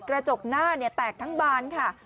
กระจกหน้าแตกทั้งบานค่ะ